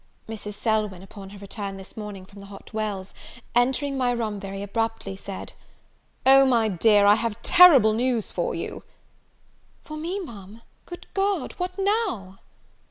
Mrs. Selwyn, upon her return this morning from the Hot Wells, entering my room very abruptly, said, "Oh, my dear, I have terrible news for you!" "For me, Ma'am! Good God! what now?"